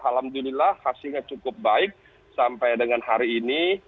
alhamdulillah hasilnya cukup baik sampai dengan hari ini